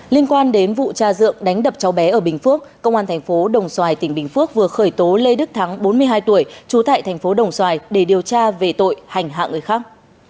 liên quan đến vụ cha dượng đánh đập cháu bé ở bình phước công an thành phố đồng xoài tỉnh bình phước vừa khởi tố lê đức thắng bốn mươi hai tuổi trú tại thành phố đồng xoài để điều tra về tội hành hạ người khác